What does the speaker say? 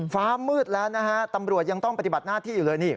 ฟ้ามืดแล้วนะฮะตำรวจยังต้องปฏิบัติหน้าที่อยู่เลยนี่